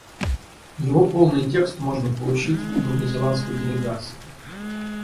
Его полный текст можно получить у новозеландской делегации.